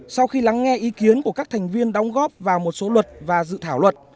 sau khi lắng nghe ý kiến của các thành viên đóng góp vào một số luật và dự thảo luật